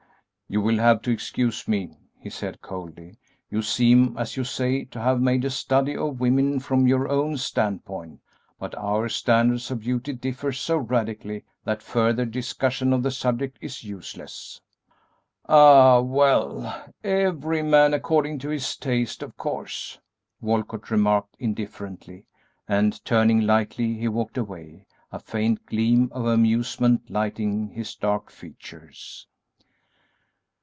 "You will have to excuse me," he said, coldly; "you seem, as you say, to have made a study of women from your own standpoint, but our standards of beauty differ so radically that further discussion of the subject is useless." "Ah, well, every man according to his taste, of course," Walcott remarked, indifferently, and, turning lightly, he walked away, a faint gleam of amusement lighting his dark features.